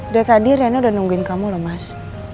dari tadi rena udah nungguin kamu loh mas